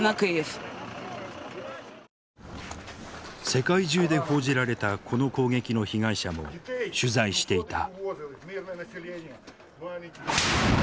世界中で報じられたこの攻撃の被害者も取材していた。